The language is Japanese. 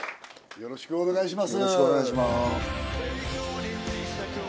よろしくお願いします。